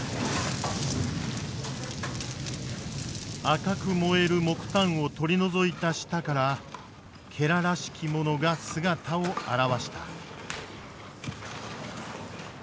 赤く燃える木炭を取り除いた下かららしきものが姿を現した。